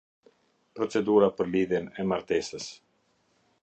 Procedura për lidhjen e martesës.